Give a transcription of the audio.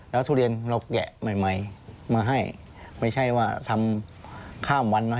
แล้วทุเรียนเราแกะใหม่ใหม่มาให้ไม่ใช่ว่าทำข้ามวันนะ